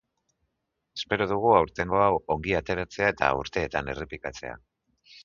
Espero dugu aurtengo hau ongi ateratzea eta urteetan errepikatzea.